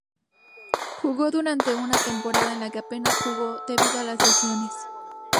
Jugó durante una temporada en la que apenas jugó debido a las lesiones.